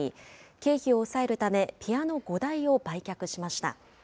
経費を抑えるため、ピアノ５台を売却しました。